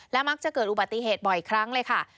มักจะเกิดอุบัติเหตุบ่อยครั้งเลยค่ะ